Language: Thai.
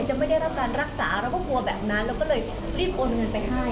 ไม่ได้รับการรักษาเราก็กลัวแบบนั้นเราก็เลยรีบโอนเงินไปให้